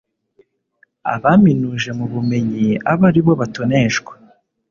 abaminuje mu bumenyi abe ari bo batoneshwa